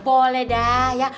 boleh dah ya